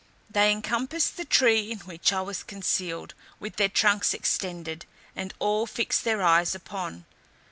They encompassed the tree in which I was concealed, with their trunks extended, and all fixed their eyes upon.